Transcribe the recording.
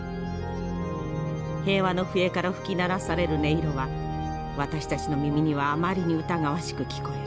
平和の笛から吹き鳴らされる音色は私たちの耳にはあまりに疑わしく聞こえる。